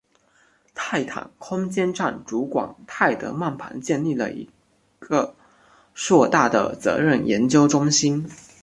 泰坦空间站主管泰德曼旁建立了一个硕大的责任研究中心。